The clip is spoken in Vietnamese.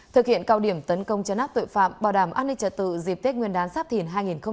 thực hiện cao điểm tấn công chấn áp tội phạm bảo đảm an ninh trật tự dịp tết nguyên đán sắp thìn hai nghìn hai mươi bốn